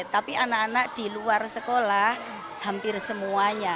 tapi anak anak di luar sekolah hampir semuanya